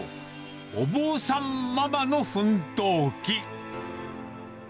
お坊さんママの奮闘記。